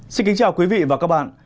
xin kính chào quý vị và các bạn